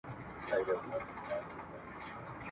د خزان پر لمن پروت یم له بهار سره مي ژوند دی !.